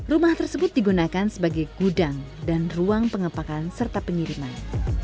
rumah tersebut digunakan sebagai gudang dan ruang pengepakan serta pengiriman